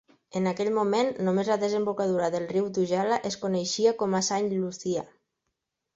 En aquell moment, només la desembocadura del riu Tugela es coneixia com a Saint Lucia.